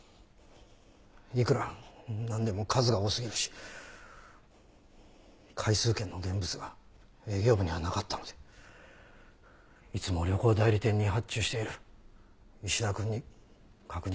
いくらなんでも数が多すぎるし回数券の現物が営業部にはなかったのでいつも旅行代理店に発注している石田君に確認したんです。